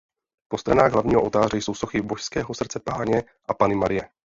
Po stranách hlavního oltáře jsou sochy Božského Srdce Páně a Panny Marie.